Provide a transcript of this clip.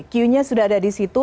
q nya sudah ada di situ